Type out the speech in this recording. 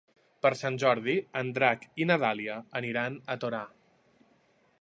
Per Sant Jordi en Drac i na Dàlia aniran a Torà.